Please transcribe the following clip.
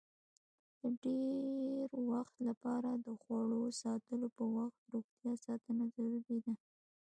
د ډېر وخت لپاره د خوړو ساتلو په وخت روغتیا ساتنه ضروري ده.